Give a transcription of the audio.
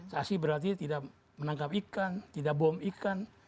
sasi berarti tidak menangkap ikan tidak bom ikan